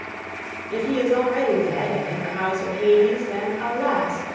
If he is already dead and in the house of Hades, then, alas!